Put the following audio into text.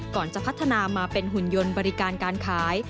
ก่อนจะพัฒนามาเป็นหุ่นยนต์บริการการขาย